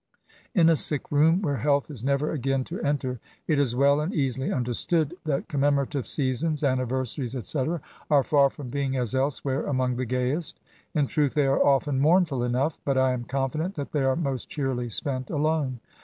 In a sick room, where health is never again to enter, it is well and easily understood that com memorative seasons, anniversaries, &c., are far from being, as elsewhere, among the gayest In truth, they are often mournftd enough ; but I am confident that they are most cheerily spent alone.